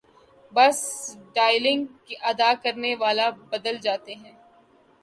بس ڈائیلاگ ادا کرنے والے بدل جاتے ہیں۔